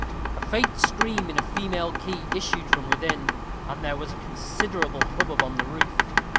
A faint scream in a female key issued from within, and there was a considerable hubbub on the roof.